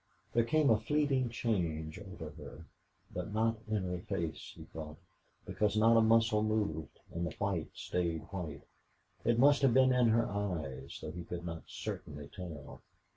There came a fleeting change over her, but not in her face, he thought, because not a muscle moved, and the white stayed white. It must have been in her eyes, though he could not certainly tell.